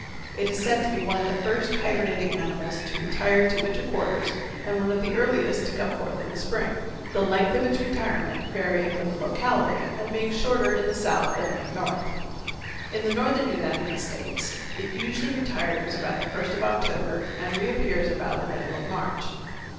It is said to be one of the first hibernating animals to retire to winter quarters and one of the earliest to come forth in the spring, the length of its retirement varying with the locality, and being shorter in the south than in the north. In the northern United States it usually retires about the first of October and reappears about the middle of March.